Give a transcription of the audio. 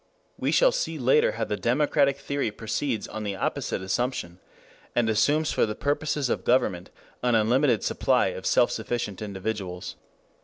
We shall see later how the democratic theory proceeds on the opposite assumption and assumes for the purposes of government an unlimited supply of self sufficient individuals.